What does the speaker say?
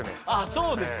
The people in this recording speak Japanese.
そうですか。